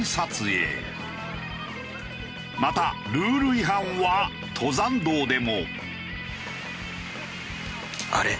またルール違反は登山道でも。